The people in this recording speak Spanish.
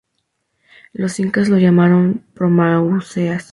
Los incas los llamaron promaucaes.